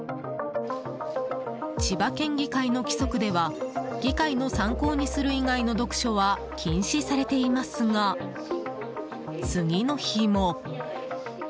千葉県議会の規則では議会の参考にする以外の読書は禁止されていますが次の日も。